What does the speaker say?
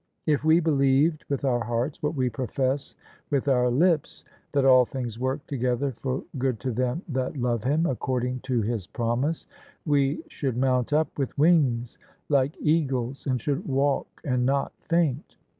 If we believed with our hearts what we profess with our lips, that all things work together for good to them that love Him, according to His promise, we should mount up with wings like eagles and should walk and not faint.